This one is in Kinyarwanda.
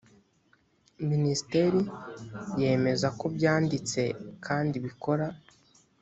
minisiteri yemeza ko byanditse kandi bikora